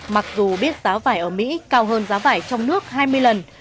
mặc dù biết giá vải ở mỹ cao hơn giá vải trong nước hai mươi lần